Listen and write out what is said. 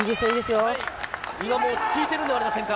今も落ち着いているのではありませんか？